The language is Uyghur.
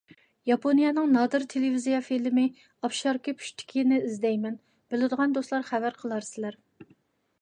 ياپونىيەنىڭ نادىر تېلېۋىزىيە فىلىمى «ئاپشاركا پۇشتىكى» نى ئىزدەيمەن. بىلىدىغان دوستلار خەۋەر قىلارسىلەر.